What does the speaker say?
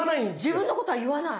自分のことは言わない。